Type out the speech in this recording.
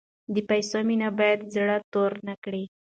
د پیسو مینه باید زړه تور نکړي.